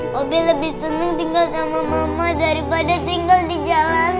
poppy lebih seneng tinggal sama mama daripada tinggal di jalanan